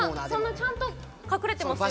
ちゃんと隠れてますよ。